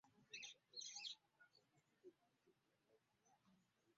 Tolowooza nti ebigambo bya kusaaga ebyo ssebo.